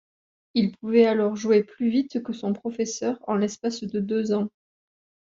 Il pouvait alors jouer plus vite que son professeur en l'espace de deux ans.